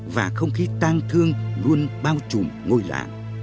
và không khí tan thương luôn bao trùm ngôi lạ